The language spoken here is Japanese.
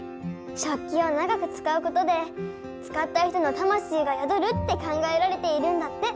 食器を長くつかうことでつかった人のたましいがやどるって考えられているんだって。